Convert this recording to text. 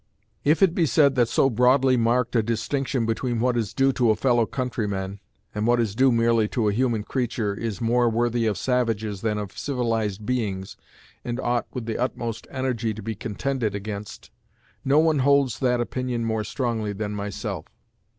If it be said that so broadly marked a distinction between what is due to a fellow countryman and what is due merely to a human creature is more worthy of savages than of civilized beings, and ought, with the utmost energy, to be contended against, no one holds that opinion more strongly than myself.